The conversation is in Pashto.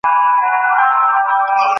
ډیپلوماټان ولي نړیوالي اړیکي پراخوي؟